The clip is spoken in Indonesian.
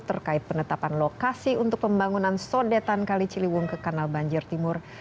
terkait penetapan lokasi untuk pembangunan sodetan kali ciliwung ke kanal banjir timur